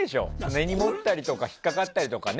根に持ったりとか引っかかったりとかね。